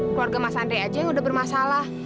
keluarga mas andre aja yang udah bermasalah